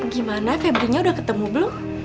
gimana febri nya sudah ketemu belum